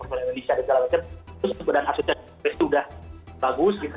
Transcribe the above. terus kemudian asosiasi itu sudah bagus gitu